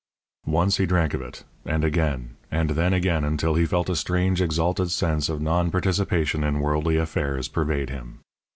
Once he drank of it, and again, and then again until he felt a strange, exalted sense of non participation in worldly affairs pervade him.